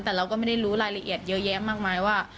แต่เราก็ไม่ได้รู้รายละเอียดเยอะแยะมากมายว่า